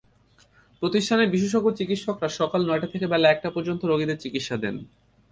প্রতিষ্ঠানের বিশেষজ্ঞ চিকিৎসকেরা সকাল নয়টা থেকে বেলা একটা পর্যন্ত রোগীদের চিকিৎসা দেন।